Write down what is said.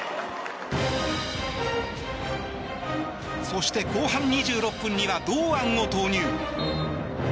そして後半２６分には堂安を投入。